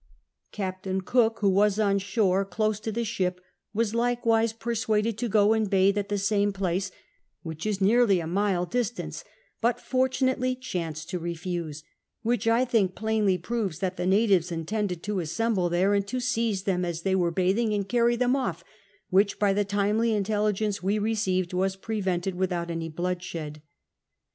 CapUiu Cook, who was on shore close to the shix), was likewise persuaded to go and bathe at the same place, which is nearly a mile distance, but fortunately chanced to refuse ; which I think plainly proves that the iijitives iiiieiuled to assemble there and to seize them as they were bathing, and carry them off, which by the timely intelligence \ve received was prevented without 'any bloodshed.